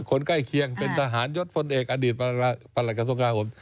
ใกล้เคียงเป็นทหารยศพลเอกอดีตประหลักกระทรวงกราโหม